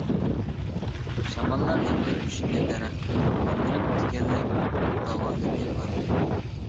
شاماللار يىقىلىپ چۈشتى دەرەختىن، يوللىرىم تىكەنلىك، داۋانلىرى بار.